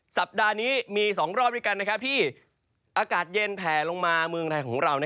สัปดาห์นี้มี๒รอบด้วยกันที่อากาศเย็นแผลลงมาเมืองไทยของเรา